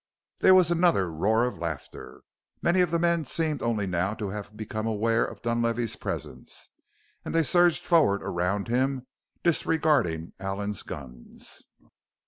There was another roar of laughter. Many of the men seemed only now to have become aware of Dunlavey's presence and they surged forward around him, disregarding Allen's guns.